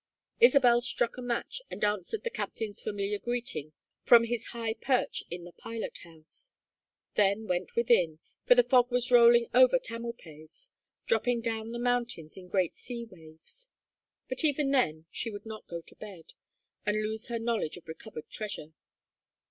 Isabel struck a match and answered the captain's familiar greeting from his high perch in the pilot house; then went within, for the fog was rolling over Tamalpais, dropping down the mountains in great sea waves. But even then she would not go to bed, and lose her knowledge of recovered treasure.